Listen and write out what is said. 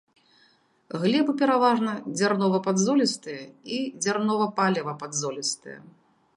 Глебы пераважна дзярнова-падзолістыя і дзярнова-палева-падзолістыя.